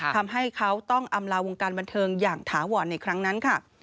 ทำให้เขาต้องอำลาวงการบันเทิงอย่างถาวรในครั้งนั้นค่ะ